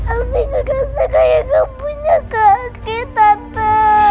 abi aku rasa kayak aku punya kaki tante